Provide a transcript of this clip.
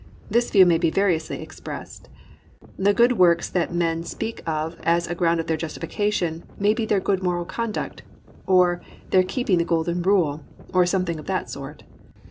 This view may be variously expressed. The good works that men speak of as a ground of their justification may be their good moral conduct, or their keeping the Golden Rule, or something of that sort.